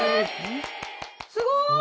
すごい！